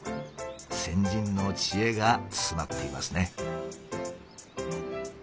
先人の知恵が詰まっていますね。